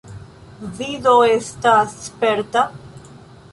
Vi do estas sperta?